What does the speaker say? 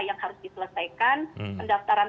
yang harus diselesaikan pendaftaran